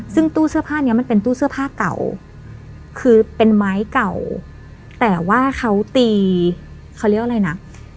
ซึ่งตู้เสื้อผ้านี้มันเป็นตู้เสื้อผ้าเก่าคือเป็นไม้เก่าแต่ว่าเขาตีเขาเรียกอะไรนะ